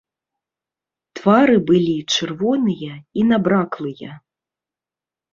Твары былі чырвоныя і набраклыя.